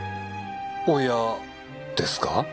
親ですか？